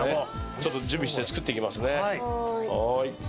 ちょっと準備して作っていきますね。